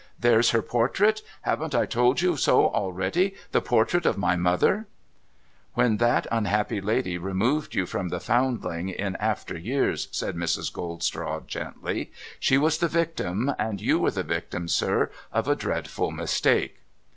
There's her portrait! Haven't I told you so already ? The portrait of my mother !'' When that unhappy lady removed you from the Foundling, in after years,' said Mrs. Goldstraw, gently, ' she was the victim, and you were the victim, sir, of a dreadful mistake.'